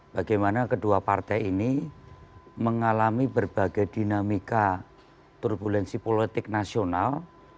bagaimana kedua partai ini mengalami berbagai dinamika turbulensi politik nasional